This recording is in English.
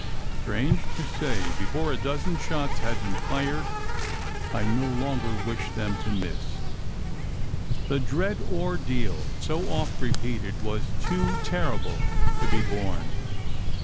Strange to say, before a dozen shots had been fired, I no longer wished them to miss! The dread ordeal, so oft repeated, was too terrible to be borne.